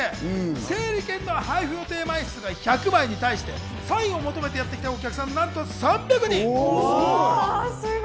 整理券の配布予定枚数は１００枚で、サインを求めてやってきたお客さんはなんと３００人！